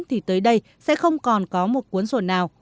thì tới đây sẽ không còn có một cuốn sổ nào